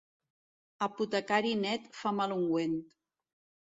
Apotecari net fa mal ungüent.